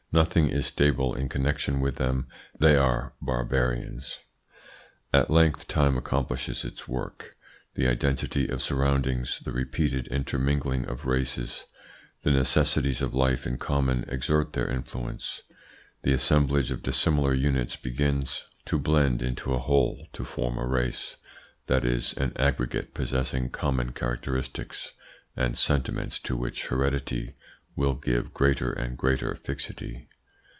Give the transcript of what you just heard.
Nothing is stable in connection with them. They are barbarians. At length time accomplishes its work. The identity of surroundings, the repeated intermingling of races, the necessities of life in common exert their influence. The assemblage of dissimilar units begins to blend into a whole, to form a race; that is, an aggregate possessing common characteristics and sentiments to which heredity will give greater and greater fixity.